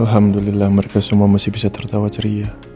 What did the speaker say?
alhamdulillah mereka semua masih bisa tertawa ceria